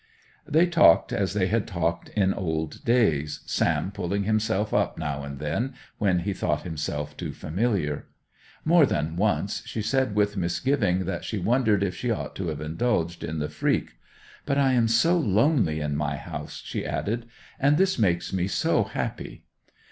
They talked as they had talked in old days, Sam pulling himself up now and then, when he thought himself too familiar. More than once she said with misgiving that she wondered if she ought to have indulged in the freak. 'But I am so lonely in my house,' she added, 'and this makes me so happy!